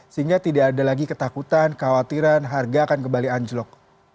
sehingga tidak ada lagi ketakutan khawatiran harga akan kembali anjlok